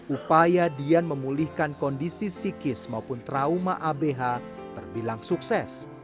upaya dian memulihkan kondisi psikis maupun trauma abh terbilang sukses